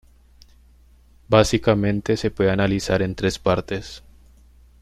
Básicamente se puede analizar en tres partes.